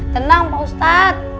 tenang pak ustadz